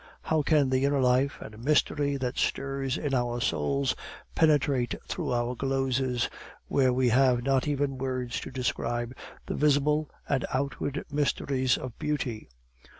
How can the inner life and mystery that stirs in our souls penetrate through our glozes, when we have not even words to describe the visible and outward mysteries of beauty?